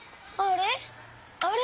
あれ？